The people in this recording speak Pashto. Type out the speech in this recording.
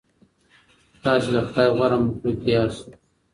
تاسې د خدای غوره مخلوق یاست.